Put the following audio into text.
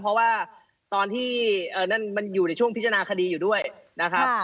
เพราะว่าตอนที่นั่นมันอยู่ในช่วงพิจารณาคดีอยู่ด้วยนะครับ